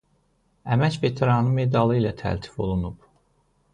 Əmək veteranı medalı ilə təltif olunub.